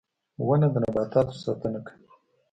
• ونه د نباتاتو ساتنه کوي.